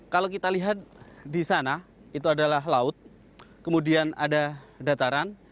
kalau kita lihat di sana itu adalah laut kemudian ada dataran